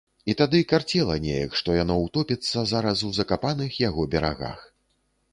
І тады карцела неяк, што яно ўтопіцца зараз у закапаных яго берагах.